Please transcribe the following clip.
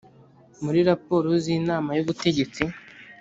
muri raporo z’inama y’ubutegetsi